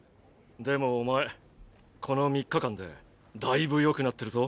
でもお前この３日間でだいぶよくなってるぞ。